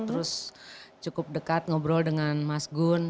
terus cukup dekat ngobrol dengan mas gun